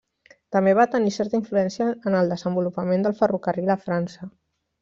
També va tenir certa influència en el desenvolupament del ferrocarril a França.